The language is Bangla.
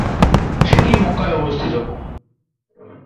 সেটি মক্কায় অবস্থিত।